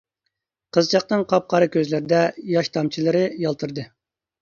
-قىزچاقنىڭ قاپ قارا كۆزلىرىدە ياش تامچىلىرى يالتىرىدى.